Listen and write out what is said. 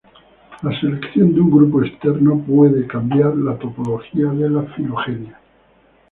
La selección de un grupo externo puede cambiar la topología de la filogenia.